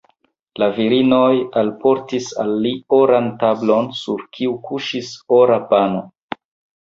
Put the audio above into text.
La virinoj alportis al li oran tablon, sur kiu kuŝis ora pano.